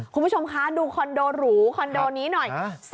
คุณผู้ชมคะดูคอนโดหรูคอนโดนี้หน่อย